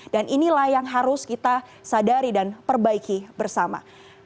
dan inilah yang harus kita sadari dan perbaiki bersama